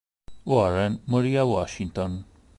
Warren morì a Washington.